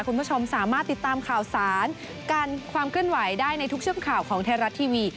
คุณผู้ชมสามารถติดตามข่าวสารการความเคลื่อนไหวได้ในทุกเชื่อมข่าวของไทยรัฐทีวี